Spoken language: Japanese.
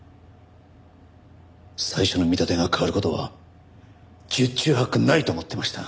最初の見立てが変わる事は十中八九ないと思っていました。